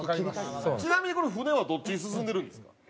ちなみにこの船はどっちに進んでるんですか？